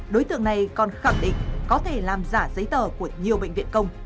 đối tượng này còn khẳng định có thể làm giả giấy tờ của nhiều bệnh viện công